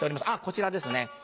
「こちらですね」。